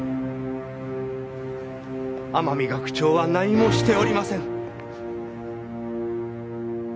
天海学長は何もしておりません！